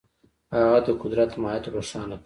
هغه د قدرت ماهیت روښانه کړ.